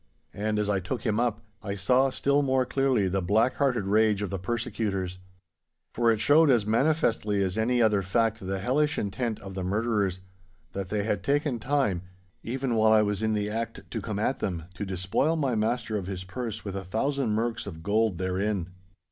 And as I took him up, I saw still more clearly the black hearted rage of the persecutors. For it showed as manifestly as any other fact the hellish intent of the murderers, that they had taken time, even while I was in the act to come at them, to despoil my master of his purse with a thousand merks of gold therein.